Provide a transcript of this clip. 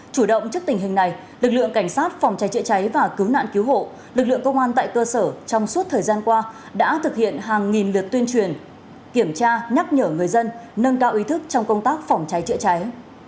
chủ động trước tình hình này lực lượng cảnh sát phòng cháy chữa cháy và cứu nạn cứu hộ lực lượng công an tại cơ sở trong suốt thời gian qua đã thực hiện hàng nghìn lượt tuyên truyền kiểm tra nhắc nhở người dân nâng cao ý thức trong công tác phòng cháy chữa cháy